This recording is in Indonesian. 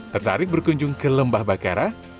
tertarik berkunjung ke lembah bakara